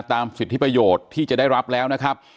สิทธิประโยชน์ที่จะได้รับแล้วนะครับ